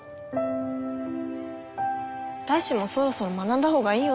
大志もそろそろ学んだほうがいいよ